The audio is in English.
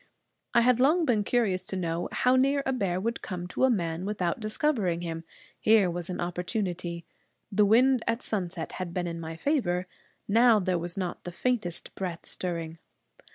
I had long been curious to know how near a bear would come to a man without discovering him. Here was an opportunity. The wind at sunset had been in my favor; now there was not the faintest breath stirring.